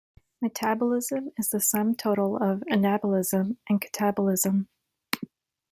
Metabolism is the sum total of anabolism and catabolism.